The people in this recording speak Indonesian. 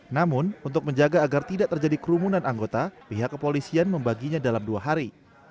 namun untuk menjaga agar tidak terjadi kerumunan anggota pihak kepolisian membaginya dalam dua hari